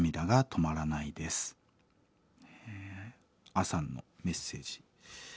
あさんのメッセージ。